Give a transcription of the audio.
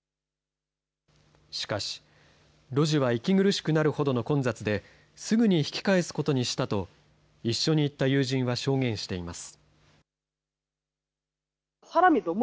しかし、路地は息苦しくなるほどの混雑で、すぐに引き返すことにしたと、一緒に行った友人は証言しています。